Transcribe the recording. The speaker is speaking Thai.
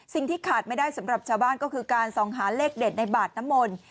สิ่งที่ขาดไม่ได้สำหรับชาวบ้านก็คือการส่องหาเลขเด็ดในบาดน้ำมนต์